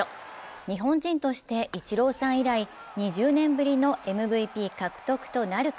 日本人としてイチローさん以来２０年ぶりのＭＶＰ獲得となるか。